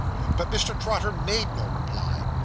But Mr. Trotter made no reply.